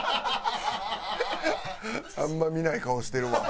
あんま見ない顔してるわ。